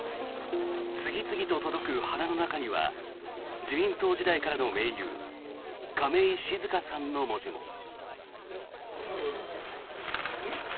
次々と届く花の中には自民党時代からの盟友亀井静香さんの文字も。